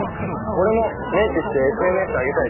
俺もメイクしてＳＮＳあげたいです。